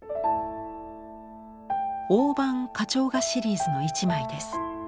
大判花鳥画シリーズの一枚です。